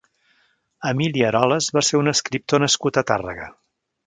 Emili Eroles va ser un escriptor nascut a Tàrrega.